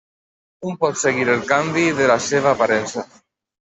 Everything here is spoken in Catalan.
Un pot seguir el canvi de la seva aparença.